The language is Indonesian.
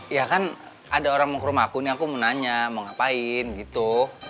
ya kan ada orang menghorma aku nih aku mau nanya mau ngapain gitu